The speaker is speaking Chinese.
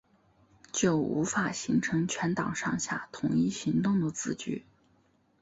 就无法形成全党上下统一行动的自觉